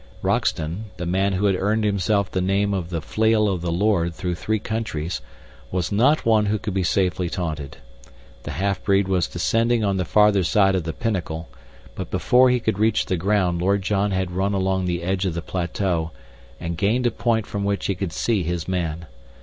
Roxton, the man who had earned himself the name of the Flail of the Lord through three countries, was not one who could be safely taunted. The half breed was descending on the farther side of the pinnacle; but before he could reach the ground Lord John had run along the edge of the plateau and gained a point from which he could see his man.